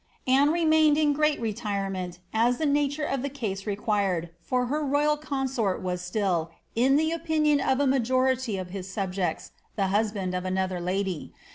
Anne remained in great retirement, as the nature of the case required, for her ro3ral consort was still, in the opinion of a minority of his sub jects, the husband of another lady.